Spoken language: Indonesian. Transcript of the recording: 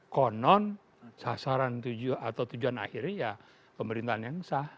konon sasaran atau tujuan akhirnya ya pemerintahan yang sah